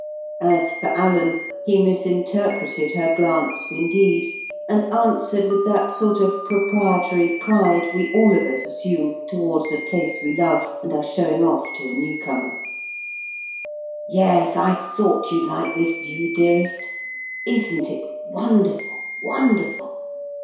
As for Alan, he misinterpreted her glance, indeed, and answered with that sort of proprietary pride we all of us assume towards a place we love, and are showing off to a newcomer: "Yes, I thought you'd like this view, dearest; isn't it wonderful, wonderful?